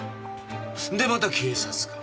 でまた警察官。